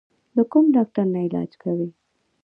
د کوم ډاکټر نه علاج کوې؟